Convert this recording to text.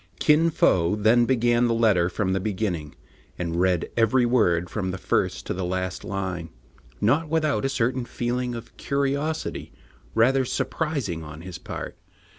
Kin Fo then began the letter from the beginning, and read every word from the first to the last line, not without a certain feeling of curiosity rather surprising on his part.